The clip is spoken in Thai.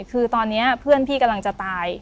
คือตอนนี้เพื่อนพี่กำลังจะตาย